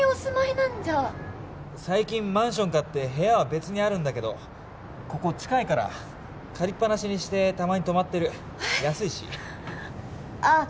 なんじゃ最近マンション買って部屋は別にあるんだけどここ近いから借りっぱなしにしてたまに泊まってる安いしああ